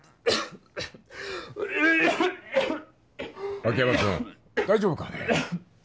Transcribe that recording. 秋山君大丈夫かね？